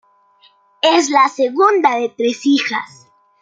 Es la segunda de tres hijas.